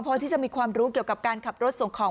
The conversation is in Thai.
พอที่จะมีความรู้เกี่ยวกับการขับรถส่งของ